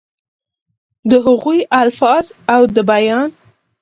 دَ هغوي الفاظ او دَ بيان